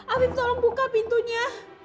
afif tolong buka pintunya